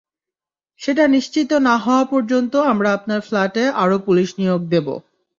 সেটা নিশ্চিত না হওয়া পর্যন্ত আমরা আপনার ফ্ল্যাটে আরো পুলিশ নিয়োগ দেবো।